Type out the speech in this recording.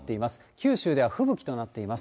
九州では吹雪となっています。